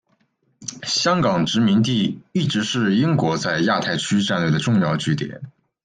香港殖民地一直是英国在亚太区战略的重要据点。